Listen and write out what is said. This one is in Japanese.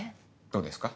どうですか？